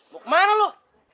mau kemana lu